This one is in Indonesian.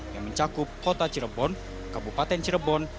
yang mencakup kota cirebon kabupaten cirebon